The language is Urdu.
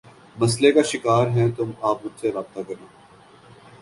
مسلئے کا شکار ہیں تو آپ مجھ سے رابطہ کر سکتے ہیں